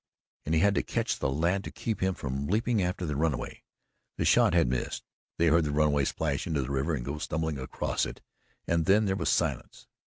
and he had to catch the lad to keep him from leaping after the runaway. The shot had missed; they heard the runaway splash into the river and go stumbling across it and then there was silence.